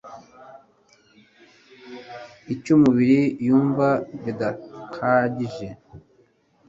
icy'umubiri yumva bidahagije